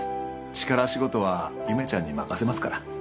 力仕事は夢ちゃんに任せますから。